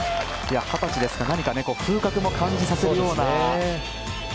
二十歳ですが風格も感じさせるような。